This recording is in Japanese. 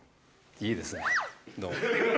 いいですね。